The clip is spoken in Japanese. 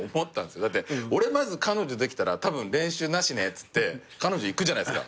だって俺まず彼女できたらたぶん練習なしねっつって彼女いくじゃないですか。